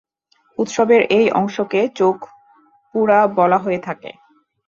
উৎসবের এই অংশকে চোখ পুরা বলা হয়ে থাকে।